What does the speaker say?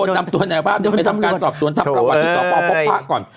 นำตัวแหน่งภาพไปทำการสอบตัวนักศึกษ์สอบประวัติศพาฯพพภัษฐ์ก่อน